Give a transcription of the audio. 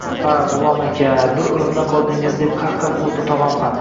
– Ha, G‘ulom aka, bir o‘limdan qoldingiz! – deb qahqah urdi tog‘am ham